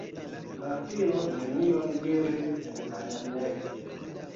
La filo nenion diris en la lernejo.